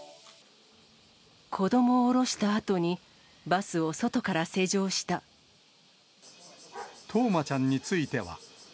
子どもを降ろしたあとに、冬生ちゃんについては。